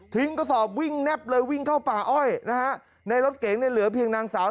กระสอบวิ่งแนบเลยวิ่งเข้าป่าอ้อยนะฮะในรถเก๋งเนี่ยเหลือเพียงนางสาว